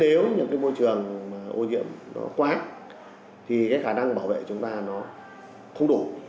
nếu những cái môi trường mà ô nhiễm nó quá thì cái khả năng bảo vệ chúng ta nó không đủ